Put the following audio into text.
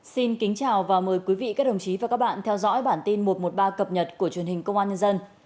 xin kính chào và mời quý vị các đồng chí và các bạn theo dõi bản tin một trăm một mươi ba cập nhật của truyền hình công an nhân dân